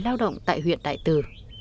lao động tại huyện đại từ